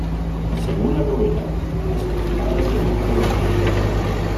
Según la novela, es la espada de Fingolfin.